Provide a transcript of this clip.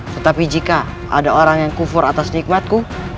tetapi jika ada orang yang kufur atas nikmatku